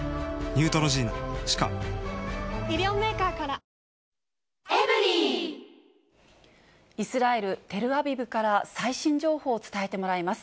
三菱電機イスラエル・テルアビブから最新情報を伝えてもらいます。